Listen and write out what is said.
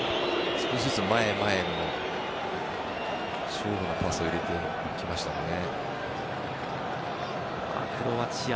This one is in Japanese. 少しずつ前へ、前へ勝負のパスを入れていきましたね。